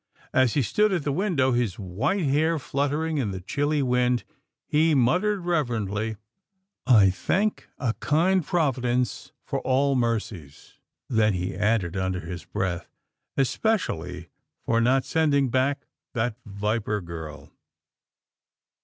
As he stood at the window, his white hair fluttering in the chilly wind, he muttered reverently, " I thank a kind Providence for all mercies," then he added under his breath, Espe cially for not sending back that viper girl."